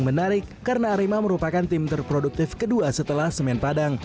menarik karena arema merupakan tim terproduktif kedua setelah semen padang